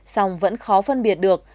xong vẫn khó phân biệt được